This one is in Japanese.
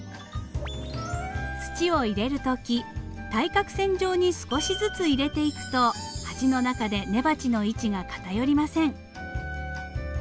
土を入れる時対角線上に少しずつ入れていくと鉢の中で根鉢の位置が偏りません。